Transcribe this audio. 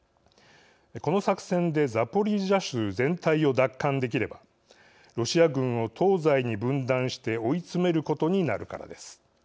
この作戦でザポリージャ州全体を奪還できればロシア軍を東西に分断して追い詰めることになるからです。